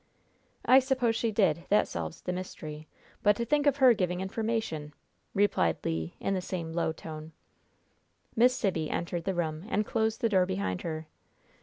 "I suppose she did; that solves the mystery. But to think of her giving information!" replied Le, in the same low tone. Miss Sibby entered the room, and closed the door behind her.